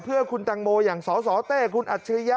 เพื่อคุณตังโมอย่างสสเต้คุณอัจฉริยะ